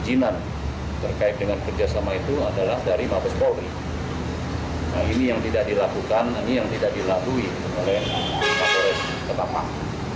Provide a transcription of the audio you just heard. nah ini yang tidak dilakukan ini yang tidak dilalui oleh kapolres ketapang